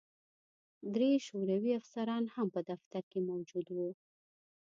درې شوروي افسران هم په دفتر کې موجود وو